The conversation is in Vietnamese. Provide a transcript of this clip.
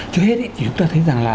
trước hết thì chúng ta thấy rằng là